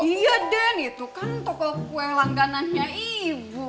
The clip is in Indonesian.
iya den itu kan toko kue langganannya ibu